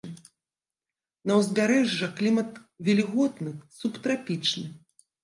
На ўзбярэжжа клімат вільготны субтрапічны.